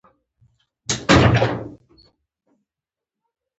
اراده د روح له ځواک راولاړېږي.